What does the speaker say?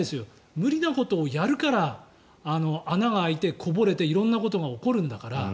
無理なことをやるから穴が開いて、こぼれて色んなことが起こるんだから。